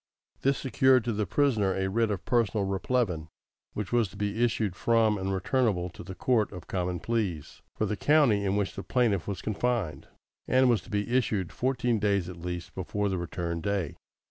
This secured to the prisoner a writ of personal replevin, which was to be issued from and returnable to the Court of Common Pleas for the county in which the plaintiff was confined, and was to be issued fourteen days at least before the return day.